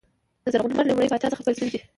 د زرغون لمر لومړي پاچا څخه پیل شوی دی.